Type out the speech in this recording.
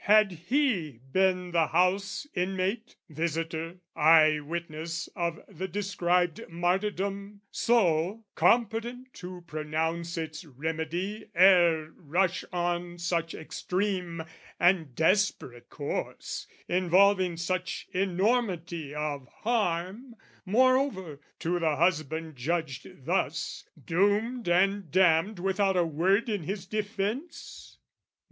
Had he been the house inmate, visitor, Eye witness of the described martyrdom So, competent to pronounce its remedy Ere rush on such extreme and desperate course, Involving such enormity of harm, Moreover, to the husband judged thus, doomed And damned without a word in his defence?